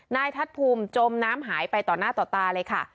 นายทัศน์ภูมิจมน้ำหายไปต่อหน้าต่อตาเลยค่ะ